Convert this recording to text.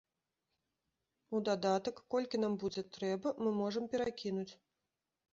У дадатак, колькі нам будзе трэба, мы можам перакінуць.